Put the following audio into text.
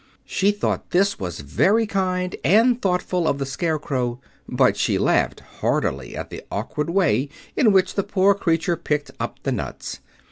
She thought this was very kind and thoughtful of the Scarecrow, but she laughed heartily at the awkward way in which the poor creature picked up the nuts.